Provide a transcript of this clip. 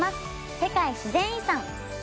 世界自然遺産」。